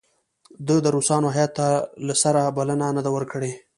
ده د روسانو هیات ته له سره بلنه نه ده ورکړې.